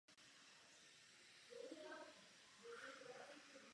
V taxonomii této skupiny proto lze ještě očekávat velké přesuny.